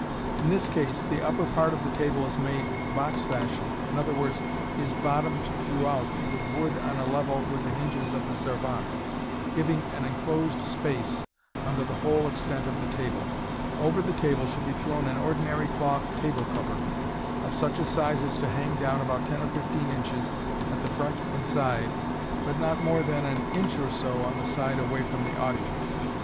In this case, the upper part of the table is made box fashion j i.e., is bottomed throughout with wood on a level with the hinges of the servante, giving an enclosed space under the whole extent of the table. Over the table should be thrown an ordinary cloth table cover, of such a size as to hang down about ten or fifteen inches at the front and sides, but not more than an inch or so on the side away from the audience.